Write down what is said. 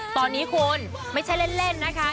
ตอนนี้คุณไม่ใช่เล่นนะคะ